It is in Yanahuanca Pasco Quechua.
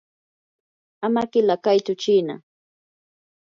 ama qila kaytsu chiina.